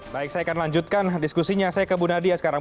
baik saya akan lanjutkan diskusinya saya ke bu nadia sekarang